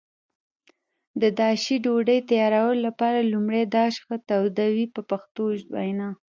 د داشي ډوډۍ تیارولو لپاره لومړی داش ښه تودوي په پښتو وینا.